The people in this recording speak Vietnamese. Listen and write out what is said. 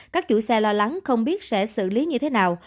các chủ xe lo lắng không biết sẽ xử lý như thế nào